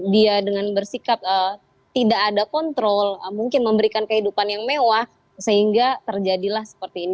dia dengan bersikap tidak ada kontrol mungkin memberikan kehidupan yang mewah sehingga terjadilah seperti ini